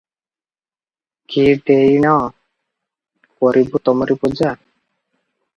କି ଦେଇଣ କରିବୁ ତମରି ପୂଜା